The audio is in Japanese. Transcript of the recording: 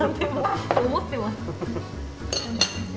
持ってます。